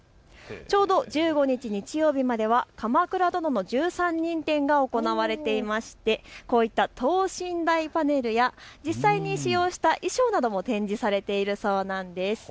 ちょうど１５日日曜日までは鎌倉殿の１３人展が行われていましてこういった等身大パネルや実際に使用した衣装なども展示されているそうなんです。